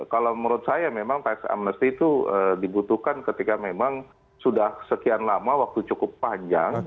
kalau menurut saya memang tax amnesty itu dibutuhkan ketika memang sudah sekian lama waktu cukup panjang